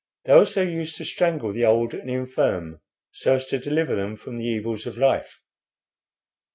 They also used to strangle the old and infirm, so as to deliver them from the evils of life.